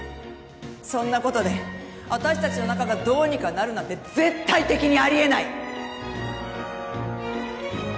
そんなことで私たちの仲がどうにかなるなんて絶対的にありえない！